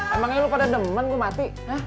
emangnya lo pada demen gue mati